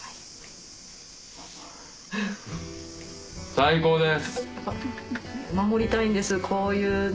最高です。